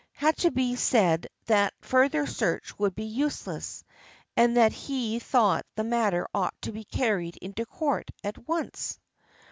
Hachibei said that further search would be useless, and that he thought the matter ought to be carried into court at once.